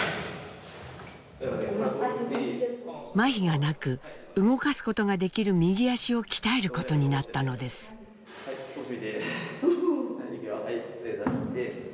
まひがなく動かすことができる右足を鍛えることになったのです。はいつえ出して。